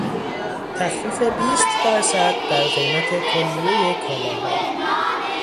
تخفیف بیست درصد در قیمت کلیهی کالاها